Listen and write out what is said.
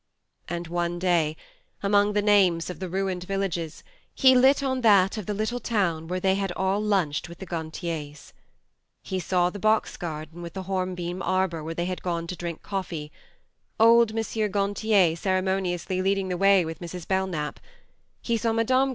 And one day, among the names of the ruined villages, he lit on that of the little town where they had all lunched with the Gantiers. He saw the box garden with the hornbeam THE MARNE 15 arbour where they had gone to drink coffee, old M. Gantier ceremoniously leading the way with Mrs. Belknap ; he saw Mme.